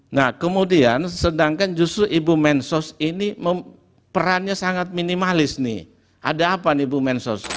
nah kemudian sedangkan justru ibu mensos ini perannya sangat minimalis nih ada apa nih ibu mensos